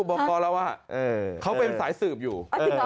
บอกพอแล้วว่าเขาเป็นสายสืบอยู่